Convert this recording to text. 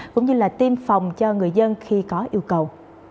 cũng như là tiêm phòng cho người dân khi có yêu cầu